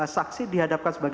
saksi dihadapkan sebetulnya